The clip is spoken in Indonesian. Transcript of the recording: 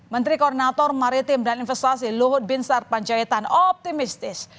menteri koordinator maritim dan investasi luhut bin sar pancaitan optimistis